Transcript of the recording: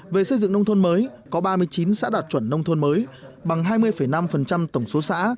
về xây dựng nông thôn mới có ba mươi chín xã đạt chuẩn nông thôn mới bằng hai mươi năm tổng số xã